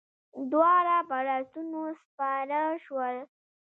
دواړه پر آسونو سپاره شول.